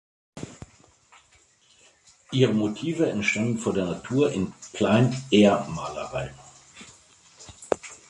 Ihre Motive entstanden vor der Natur in Plein-Air-Malerei.